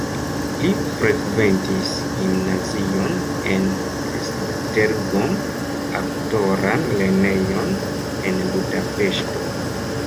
Li frekventis gimnazion en Esztergom, aktoran lernejon en Budapeŝto.